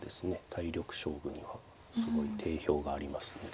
体力勝負にはすごい定評がありますので。